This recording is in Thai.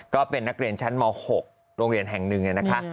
ก็เป็นนักเรียนชั้นม๖โรงเรียนแห่งหนึ่งนะคะ